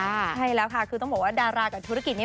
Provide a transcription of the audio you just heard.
ใช่แล้วค่ะคือต้องบอกว่าดารากับธุรกิจนี้